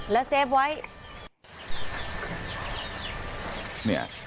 แล้วเซฟไว้